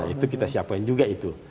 itu kita siapain juga itu